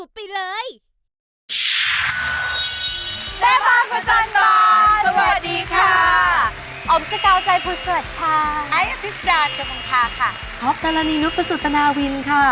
พร้อมการรันนินุปสุธนาวินค่ะ